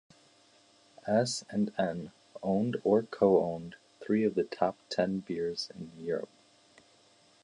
S and N owned or co-owned three of the top ten beers in Europe.